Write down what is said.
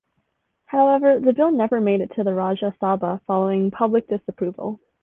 However the bill never made it to the Rajya Sabha following public disapproval.